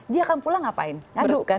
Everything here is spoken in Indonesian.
dia akan pulang ngapain ngadu kan